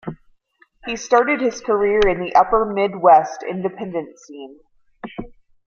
He started his career in the upper midwest independent scene.